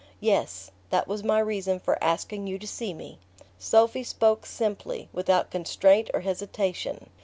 "Yes; that was my reason for asking you to see me." Sophy spoke simply, without constraint or hesitation.